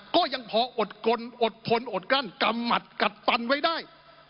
ก็ยังพออดกลอดทนอดกั้นกำหมัดกัดฟันไว้ได้